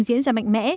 diễn ra mạnh mẽ